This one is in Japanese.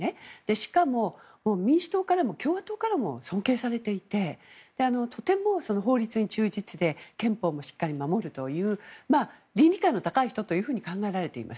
しかも、民主党からも共和党からも尊敬されていてとても法律に忠実で憲法もしっかり守るという倫理観の高い人と考えられています。